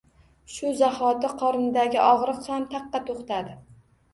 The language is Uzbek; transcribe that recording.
Shu zahoti qornidagi og‘riq ham taqqa to‘xtadi